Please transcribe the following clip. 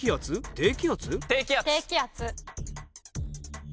低気圧。